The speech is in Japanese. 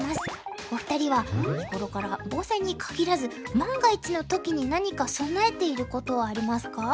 お二人は日ごろから防災にかぎらず万が一の時に何か備えていることはありますか？